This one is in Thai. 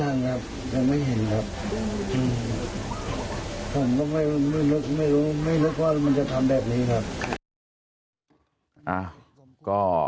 ยังครับไม่เห็นครับผมก็ไม่รู้บอกว่ามันจะทำแบบนี้ครับ